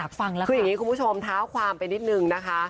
คุณผู้ชมท้าวความไปนิดนึงนะคะ